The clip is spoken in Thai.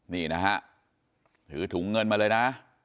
นี่นะฮะถือถุงเงินมาเลยนะ